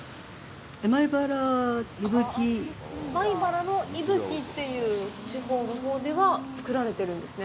米原の伊吹という地方のほうでは作られてるんですね？